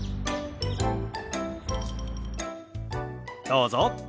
どうぞ。